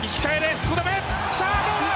福留！